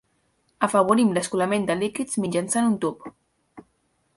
Afavorim l'escolament de líquids mitjançant un tub.